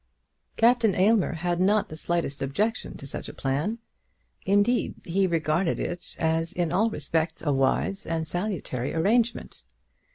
Captain Aylmer had not the slightest objection to such a plan. Indeed, he regarded it as in all respects a wise and salutary arrangement.